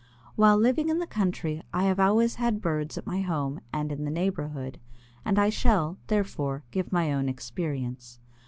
While living in the country I have always had birds at my home and in the neighborhood, and I shall, therefore, give my own experience.